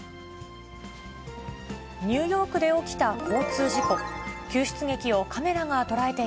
ニューヨークで起きた交通事故。